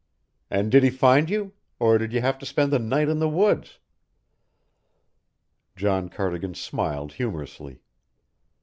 "And did he find you? Or did you have to spend the night in the woods?" John Cardigan smiled humorously.